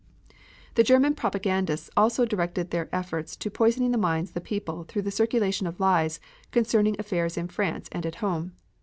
The German propagandists also directed their efforts to poisoning the minds of the people through the circulation of lies concerning affairs in France and at home.